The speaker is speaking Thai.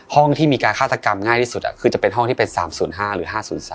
ที่มีการฆาตกรรมง่ายที่สุดคือจะเป็นห้องที่เป็น๓๐๕หรือ๕๐๓